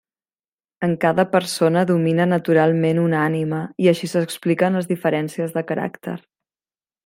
En cada persona, domina naturalment una ànima i així s'expliquen les diferències de caràcter.